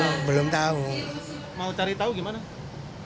mau cari tahu gimana